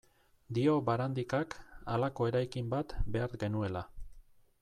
Dio Barandikak, halako eraikin bat behar genuela.